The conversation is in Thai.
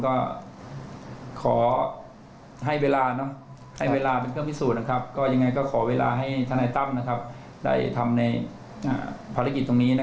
ก็ยังคงนอนหลับดีแล้วนะ